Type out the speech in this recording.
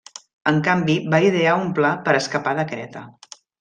En canvi, va idear un pla per escapar de Creta.